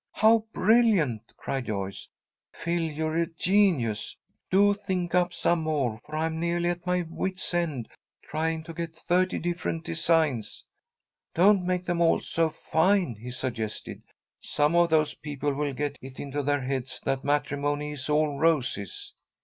"How brilliant!" cried Joyce. "Phil, you're a genius. Do think up some more, for I'm nearly at my wits' end, trying to get thirty different designs." "Don't make them all so fine," he suggested. "Some of those people will get it into their heads that matrimony is all roses."